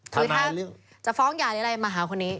คือถ้าจะฟ้องหย่าหรืออะไรมาหาคนนี้